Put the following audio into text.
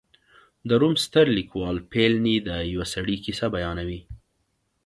د روم ستر لیکوال پیلني د یوه سړي کیسه بیانوي